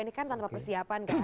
ini kan tanpa persiapan kan